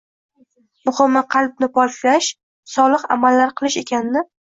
muhimi qalbni poklash, solih amallar qilish ekanini